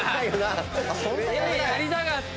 Ａやりたかった。